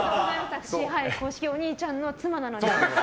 私、公式お兄ちゃんの妻なので。